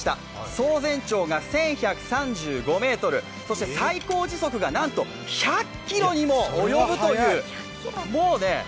総延長が１１３５ｍ、そして最高時速がなんと１００キロにも及ぶというもうね